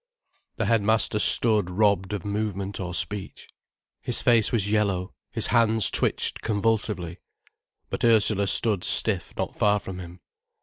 The headmaster stood robbed of movement or speech. His face was yellow, his hands twitched convulsively. But Ursula stood stiff not far from him.